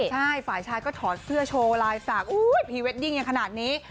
ใช่ฝ่ายชายก็ถอดเสื้อโชว์ลายสักพรีเวดดิ้งกันขนาดนี้